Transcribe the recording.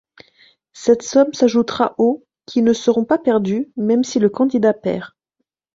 Cette somme s'ajoutera aux qui ne seront pas perdus même si le candidat perd.